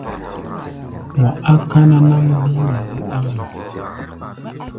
Wa á káná náŋ bíí nɛ dé ɗáŋmɔ.